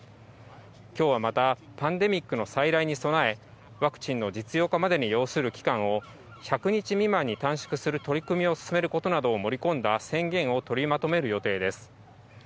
きょうはまた、パンデミックの再来に備え、ワクチンの実用化までに要する期間を１００日未満に短縮する取り組みを進めることなどを盛り込んだ宣言を取りまとめる予定です。